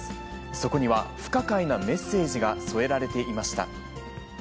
そこには、不可解なメッセージが添えられていました。